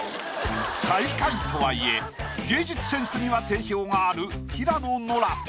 最下位とはいえ芸術センスには定評がある平野ノラ。